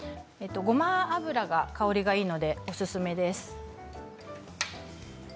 ごま油が香りがいいのでおすすめです。